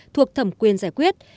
thuộc thẩm quyền giải quyết